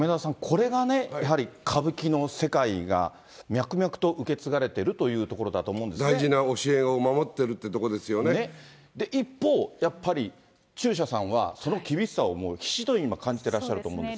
やはり歌舞伎の世界が脈々と受け継がれているというところだと思大事な教えを守ってるってと一方、やっぱり、中車さんは、その厳しさをもうひしと今感じてらっしゃると思うんですが。